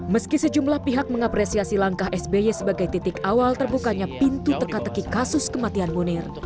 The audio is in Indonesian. meski sejumlah pihak mengapresiasi langkah sby sebagai titik awal terbukanya pintu teka teki kasus kematian munir